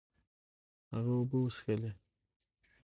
هغه اوبه وڅښلې.